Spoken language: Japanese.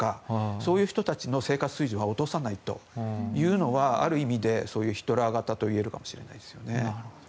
そういう人たちの生活水準は落とさないというのはある意味でそういうヒトラー型と言えるかもしれないですよね。